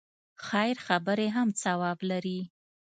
خیر خبرې هم ثواب لري.